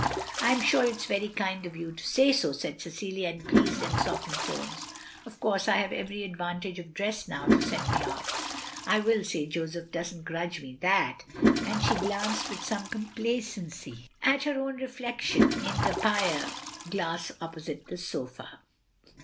"" I 'm sure it 's very kind of you to say so, " said Cecilia, in pleased and softened tones. " Of course I have every advantage of dress now to set me off. I will say Joseph doesn't grudge me that, " and she glanced with some complacency za 178 THE LONELY LADY • at her own reflection in the pier glass opposite the sofa.